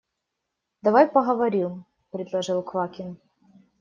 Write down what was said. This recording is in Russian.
– Давай поговорим, – предложил Квакин.